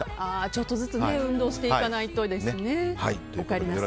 ちょっとずつ運動していかないとですね。